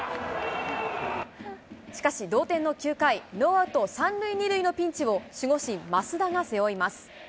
しかし同点の９回、ノーアウト３塁２塁のピンチを守護神、益田が背負います。